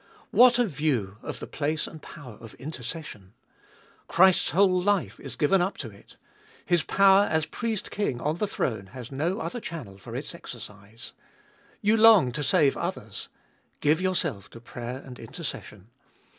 3. What a view of the place and power of intercession ! Christ's whole life is given up to it. His power as Priest King on the throne has no other channel for its exercise. You long to save others. Blue yourself to prayer and intercession.